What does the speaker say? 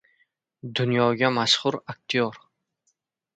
Dunyoga mashhur aktyor.